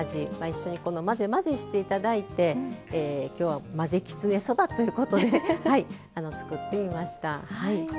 一緒に混ぜ混ぜして頂いて今日は混ぜきつねそばということで作ってみました。